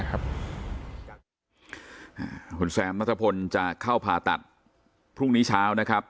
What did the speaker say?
คุณแซมนัทพลจะเข้าผ่าตัดพรุ่งนี้เช้านะครับ